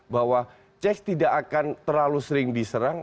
bahwa check tidak akan terlalu sering diserang